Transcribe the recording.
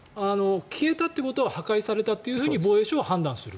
消えたということは破壊されたって防衛省は判断する。